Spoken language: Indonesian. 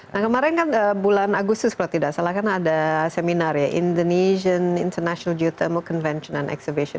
nah kemarin kan bulan agustus kalau tidak salah kan ada seminar ya indonesian international geoth conventinan exhibition